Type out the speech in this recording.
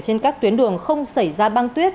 trên các tuyến đường không xảy ra băng tuyết